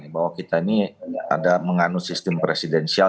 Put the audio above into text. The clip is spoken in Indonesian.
bahwa kita ini ada menganut sistem presidensial